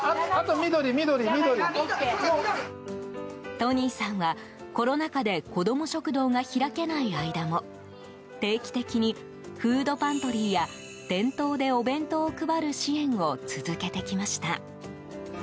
トニーさんは、コロナ禍でこども食堂が開けない間も定期的に、フードパントリーや店頭でお弁当を配る支援を続けてきました。